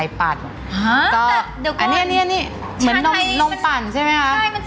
สวัสดีค่ะวันดีค่ะ